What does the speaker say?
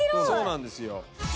そうなんですよ。